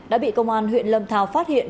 đã bị công an huyện lâm thao phát hiện